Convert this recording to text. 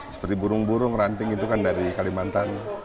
seperti burung burung ranting itu kan dari kalimantan